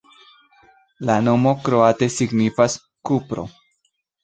La nomo kroate signifas: kupro.